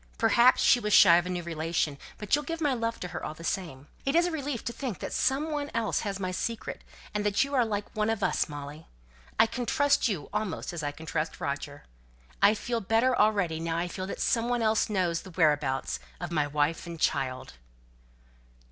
Perhaps she was shy of a new relation; but you'll give my love to her, all the same. It is a relief to think that some one else has my secret; and you are like one of us, Molly. I can trust you almost as I can trust Roger. I feel better already, now I feel that some one else knows the whereabouts of my wife and child."